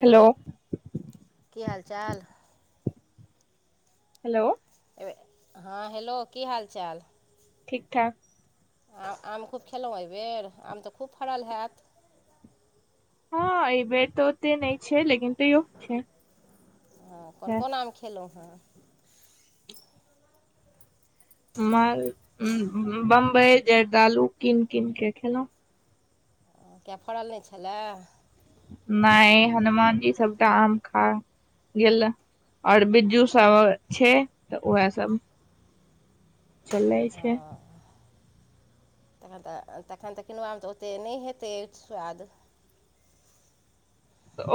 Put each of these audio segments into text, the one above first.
Hello की हाल चाल हेलो हँ हेलो की हाल चाल ठीक ठाक आम आम खूब खयलहुँ एहिबर आम तऽ खूब फड़ल हैत हँ एहि बेेर तऽ ओते नहि छै लेकिन तैयो छै हँ कोन कोन आम खयलहुँ हेँ माल बम्बई जर्दालू कीन कीन क खेलहुँ किया फड़ल नहि छलए नहि हनुमान जी सबटा आम खा गेल ओर बिज्जू सभ छै तऽ उएहसभ चलै छै हँ [unintelligible] तखन तऽ तखन तऽ किनुआ मे तऽ ओतेक नहि हेतै स्वाद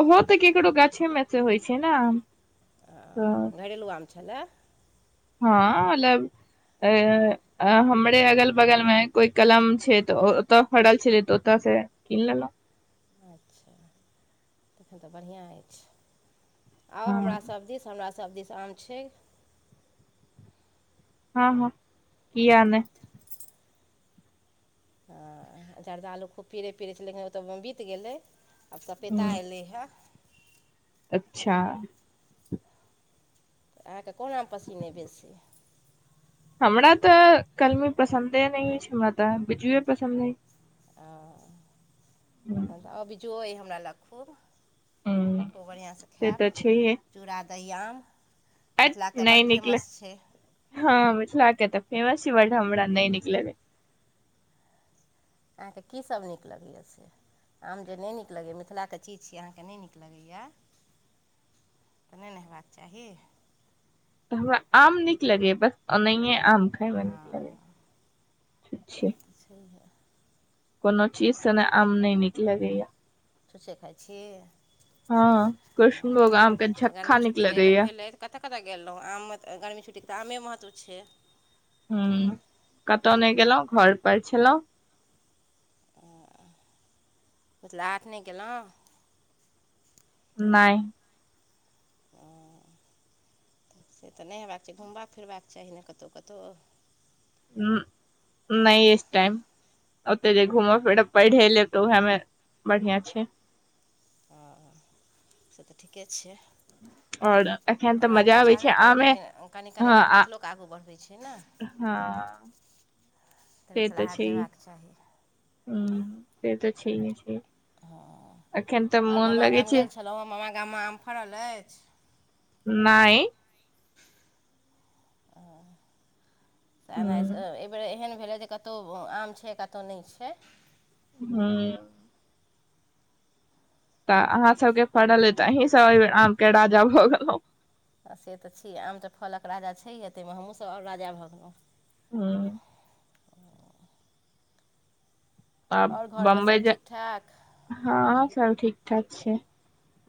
ओहो तऽ केकरो गाछे मे से होइ छै ने तऽ ह घरेलु आमे छलए हँ मतलब अ हमरे अगल बगल मे कोइ कलम छै तऽ ओतऽ फड़ल छलै तऽ ओतऽ से किन लेलौं अच्छा तखन तऽ बढीया अछि आउ हँ हमरा सभ दिस हमरा सब दिस आम छै हँ हँ किया ने ह जर्दालू खूब पिरै पिरै छलै लेकिन ओ तऽ बीत गेलै आब सपेता हम्म, ऐलै हन अच्छा तऽ अहाँके कोना आम पसीन अय बेसी हमरा तऽ कलमी पसन्दे नहि अछि हमरा तऽ बीजुए पसन्द अय ओ तऽ अब बीजुओ अइ हमरा लग खूब से खूब बढ़िआँसँ तऽ खायब छैहे चूड़ा दहि आम हट मिथिलाके तऽ बड़ नहि निकले फेमस छै हँ मिथिला कऽ तऽ फेमस छै बट हमरा नहि निकलगै अहाँके की सभ नीक लगै यै से आम जे नहि नीक लगै यै मिथिलाके चीज छ अहाँके नहि नीक लगै यै तऽ नहि ने हेबाक चाही तऽ हमरा आम नीक लगैया बस ओनाहिए आम खायमे नीक लगै हँ अच्छा छैहे कोनो चीजसँ ने आम नहि नीक लगैया छुछे खाइत छी हँ कृष्णभोग आम के झक्खा निक लगैया कतय गेल रहूँ आममे तऽ गर्मी छुट्टीके तऽ आमे महत्व छै ह कतो ने गेलौं घर पर छलौं मिथिला हाट नहि गेलौं नहि ओ से तऽ नहि हेबाक चाही घुमबाक फिरबाक चाही ने कतौ कतौ ह नहि इस टाइम ओते जे घूमब फिरब पैढ़े लेब तऽ उएहमे बढ़िआँ छै ओ से तऽ ठीके छै और एखन पढ़बाक तऽ मजा आबै छै चाहबे करी आमे लेकिन कनि कनि हँ लोक आ मिथिलोके आगू बढ़बै छै ने हँ से मिथिला तऽ हाट छै जयबाक चाही हे से तऽ छै हे हँ आओर मामा लगै गाम छै गेल छलहुँ हेँ मामा गाममे आम फड़ल अछि नहि ह एहि बेर एहन कतहु आम छै कतहु ने छै हँ तऽ से अहाँ सभके तऽ फड़ल अ तऽ अहीं सब आम के राजा भऽ गेलहु आ से तऽ छी आम तऽ फलक राजा छै यए ताहिमे हमहूँसभ आओर राजा भऽ गेलहुँ हँ आ आओर घरमे बम्बई सभ जा ठीक ठाक हँ सब ठीकठाक छै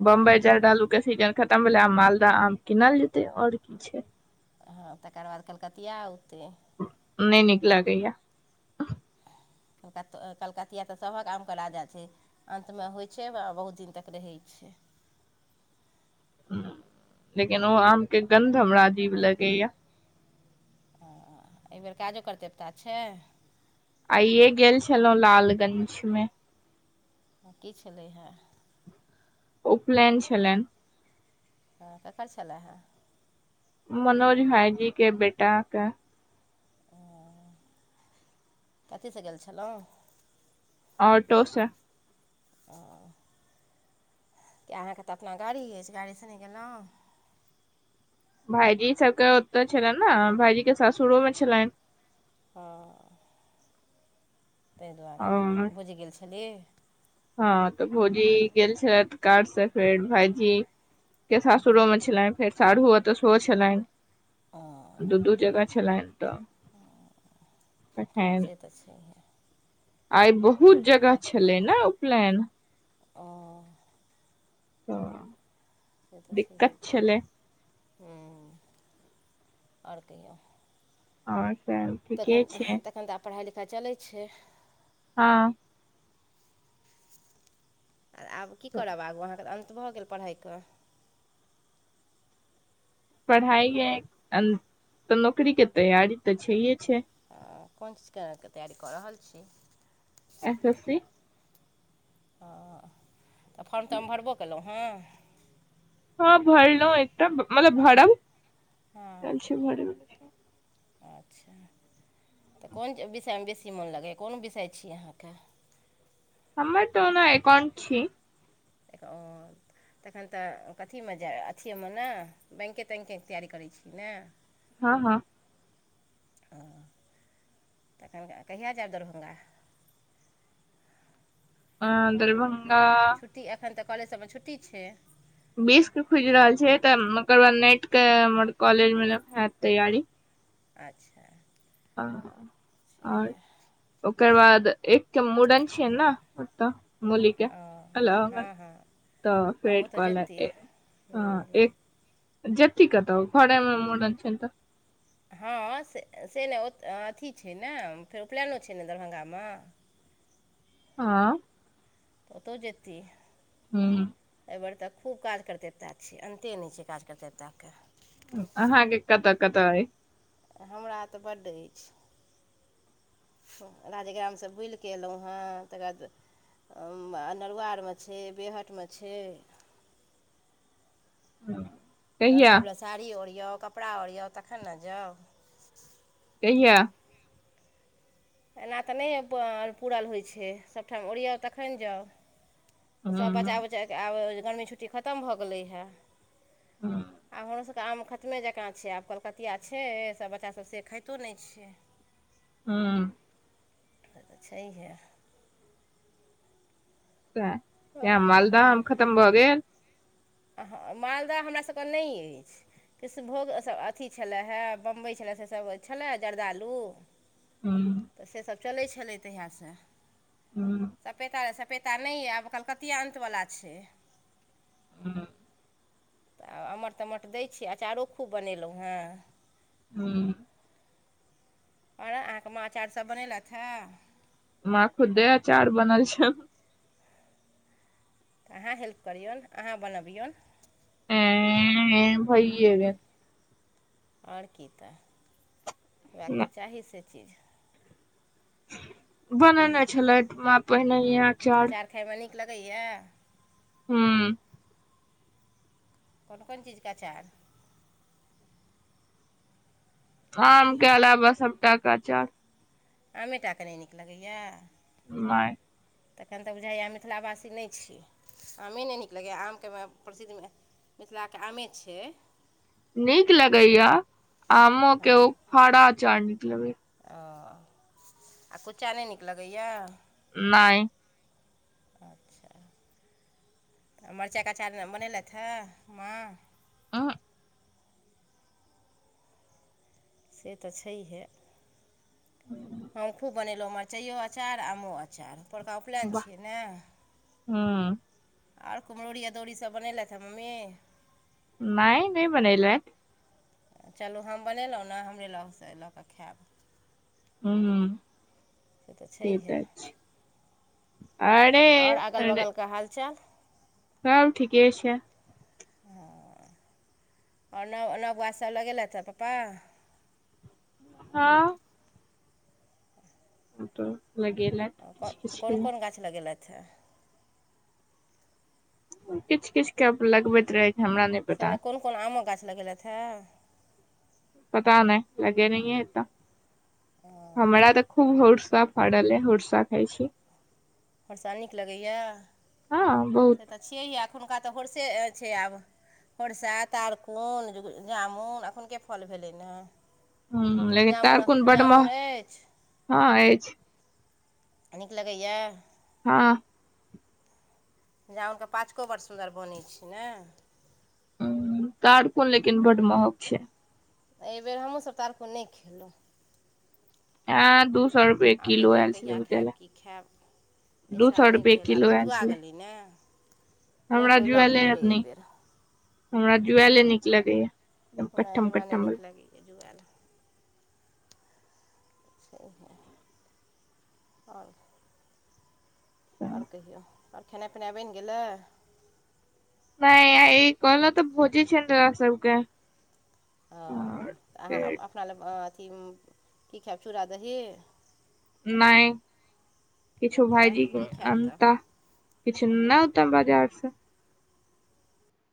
बम्बई चदालूके सीजन खतम भेलै आम मालदह आम किनल जेतै आओर की छै हँ तकर बाद कलकतिया औते नहि नीक लागैया त [inaudible] कलकतिया तऽ सभक आमके राजा छै अन्तमे होइ छै बहुत दिन तक रहै छै [inaudible] हँ लेकिन ओ आम के गन्ध हमरा अजीब लगैया हँ एहि बेेर काजो कर देवता छै आइए गेल छलहुँ लालगंजमे की छलै हे उपलैन छलेनि हँ ककर छलय हे मनोज भाईजी के बेटा के ओ कथी से गेल छलहुँ ऑटो से ओ कि अहाँ के तऽ अपना गाड़ी अछि गाड़ी से नहि गेलौं भाइजी सभ के ओतऽ छलनि ने भाइजी के सासुरो मे छलनि हँ ताहि दुआरे और भुजि गेल छलि हँ तऽ भौजी गेल छल कार से फेर भाइजी के सासुरो मे छलनि फेर सारु ओतऽ सेहो छले ओ दू दू जगा छेलैन तऽ तखैन से तऽ छैहे आइ बहुत जगह छलै ने उपलैन ओ तऽ से तऽ छैहे दिक्कत छेलै हूँ आओर कहियो और सब तखन ठीके छै तखन तऽ आब पढ़ाइ लिखाइ चलै छै हँ आ आब की करब आबू अहाँ के तऽ अन्त भऽ गेल पढ़ाइ के पढ़ाइ य तऽ नौकरी के तैयारी तऽ छैए छै कोन चीज के तैयारी कऽ रहल छी एस एस सी ओ तऽ फॉर्म तऽ हम भरबो केलहुँ हँ भरलों एकटा मतलब भरब हँ भर [unintelligible] अच्छा तऽ कोन विषय मे बेसी मोन लगैए कोन विषय छी अहाँ के हमर तऽ औना एकाउंट छी एक [unintelligible] तखन तऽ कथी मे जाय अथिए मे ने बैंके तैंके तैयारी करै छी ने हँ हँ हँ तखन कहिया जायब दरभंगा आ [unintelligible] छुट्टी एखन तऽ कॉलेज सभ मे छुट्टी छै बीस के खुजि रहल छै तऽ ओकर बाद नेट के हमर कॉलेज मे हेत तैयारी अच्छा आओर इएह ओकर बाद एक मुड़न छै न औतऽ मुलि के ओ अल हँ हँ तऽ हँ ओ फेर तऽ कल जेतै एक हाँ जे [unintelligible] तऽ घरेमे मुरन छै तऽ [unintelligible] हँ से ने औत नहि अथी छै ने फेर उपलैनो छै ने दरभंगा मे [inaudible] आँय ओतहु जेती हँ ताहि आर तऽ खूब काज करतेता छियै अन्ते नहि छै काज करतेता के अहाँ हा के कतऽ कतऽ अय हमरा तऽ बड्डे अछि राजग्राम से बुलिकऽ एलौं हें तकर बाद अ नरुआरमे छै बेहटमे छै हँ तऽ सभ लए साड़ी ओरियौ कपड़ा ओरियौ तखन ने जाउ कहिया एना तऽ नहि प पूरल होइ छै सभठाम ओरियउ तखन जाउ हूं सभ बचा उचा कऽ आब गर्मी छुट्टी खतम भऽ गेलैए आय हूं हमरा सब आम खतमे जकाँ छै आब कलकतिया छै सब बच्चा सब से खाइतो नहि छै हँ तऽ छैहे किया मालदह आम खतम भऽ गेल अह मालदह हमरासभके नहि अछि कृष्णभोग सभ अथी छलए हे बम्बई छलए सेसभ छलय जर्दालू हूँ तऽ सेसभ चलै छलै तहियाससँ हूं सपेता आर सप पेता नहि यऽ आब कलकतिया अन्तवला छै [inaudible] तऽ आ अमट तमट दैत छी अँचारो खूब बनेलहुँ हें हूँ आ अहाँके माँछ आरसभ बनेलथि हे माखूदे चार बनल छै तऽ अहाँ हेल्प करियौ अहाँ बनबियौ ए ए ए ऐऐ भइ जेबै आओर की तऽ हएह तऽ गेल चाही से चीज बनेने छलै पहिने यह अचार लगैये हूँ कोन कोन चीजके अचार आम के अलावा सबटाके अँचार अमेटाके नहि नीक लगैए नहि तखन तऽ बुझाइए मिथिलावासी नहि छी आमे नहि नीक लगैए आमके प्रसिद्ध मिथिलाके आमे छै नीक लगैय आमो के हँ ओ फांरा अचार नीक लगैय ओ आ कुच्चा नहि नीक लगैय नहि अच्छा मरचाइ के अंचार बनेलथि हे माँ उहूं से तऽ छैहे हम खूब बनेलहुँ मिरचाइओ अचार आमो अचार पोड़का उपलैन वाह छियै ने हूं आओर कुमरौरी अदौरी सभ बनेलथि हें मम्मी नहि नहि बनेलथि चलू हम बनेलहुँ ने हमरे लगसँ लऽ कऽ खायब हूँ से तऽ छैहे अरे आओर अगल अरे बगलके हालचाल सब ठीके छै [inaudible] आओर नव नवगाछ सभ लगेलथि हे पप्पा हँ तऽ लगेलथि किछ किछु के अच्छा किछ किछ के लगबैत रहै छै हमरा से नहि पता कोन कोन आमक गाछ लगेलथि हे पता नहि लगेनैहिए हेता। हमरा तऽ खूब होर्सा पड़ल ऐ होर्सा खाय छी होर्सा नीक लगैए हँ बहुत से तऽ छियैए अखुनका तऽ होर्से छै आब होर्सा तारकुन जामुन अखुन के फल भेलै ने हूँ लेकिन जामुन तारकुन बड्ड जामुन महं अछि हँ अछि नीक लगैया हँ जामुन के पाचको बड़ सुन्दर बनै छै ने तारकून लेकिन बड्ड महंग छै एहि बेेर हमहूँ सभ तारकुन नहि खेलौं ऐं दू सए रुपए आब किलो देखियौ आयल छलै कहिया बुझाय ले खायब की खायब एहि दू साल सए नहि रुपए भेल किलो आब तऽ आयल जुआ छलै गेलै ने नहि हमरा कोइ लऽ जुएले कऽ हेत एलै नीक एहिबेर हमरा जुएले नीक लगैये नहि हमरा नहि नीक लगैए जुआएल अच्छा आओर [inaudible] आओर कहियौ आओर खेनाइ पिनाइ बनि गेलै नहि आइ ई कहलौं तऽ भोजे छै हमरा सबके ओ आओर तऽ अहाँ फेर अपना लग अथी की खायब चूड़ा दही नहि किछु आँय भइजी की खायब तऽ अनता किछु नेने औतय बाजारसँ